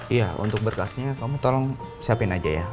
iya untuk berkasnya kamu tolong siapin aja ya